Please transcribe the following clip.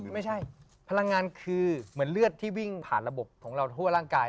พลังงานคือเหมือนเลือดที่วิ่งผ่านระบบของเราทั่วร่างกาย